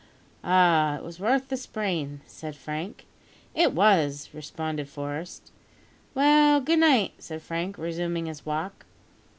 "Ah! it was worth the sprain," said Frank. "It was," responded Forest. "Well, good night," said Frank, resuming his walk.